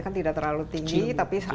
kan tidak terlalu tinggi tapi